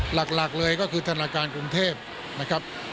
หลักเลยก็คือธนาคารกรุงเทพนะครับ